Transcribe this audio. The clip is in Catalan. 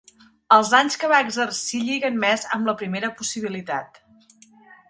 Els anys que va exercir lliguen més amb la primera possibilitat.